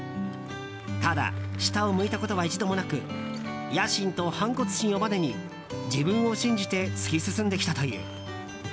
ただ下を向いたことは一度もなく野心と反骨心をばねに自分を信じて突き進んできたという。